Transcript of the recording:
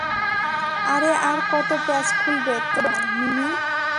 আরে, আর কতো প্যাঁচ খুলবে তোর সিনেমার, মিমি?